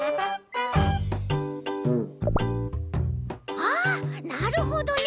あなるほどね！